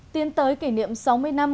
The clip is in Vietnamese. tiến tới kỷ niệm sáu mươi năm